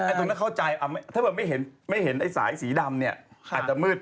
อันตรงนั้นเข้าใจถ้าไม่เห็นสายสีดำอาจจะมืด